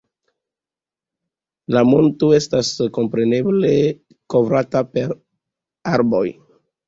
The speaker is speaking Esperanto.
La monto estas komplete kovrata per arbaro.